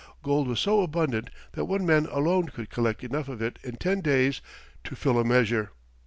Gold was so abundant that one man alone could collect enough of it in ten days to fill a measure.